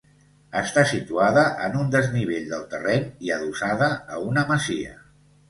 Està situada en un desnivell del terreny i adossada a una masia.